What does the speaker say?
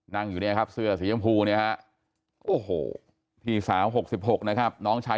นั่งอยู่เนี่ยครับเสื้อสีชมพูเนี่ยฮะโอ้โหพี่สาว๖๖นะครับน้องชาย